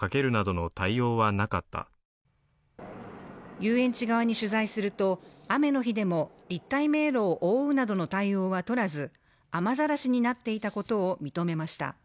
遊園地側に取材すると雨の日でも立体迷路を覆うなどの対応は取らず雨ざらしになっていたことを認めました。